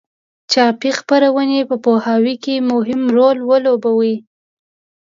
چاپي خپرونې په پوهاوي کې مهم رول ولوباوه.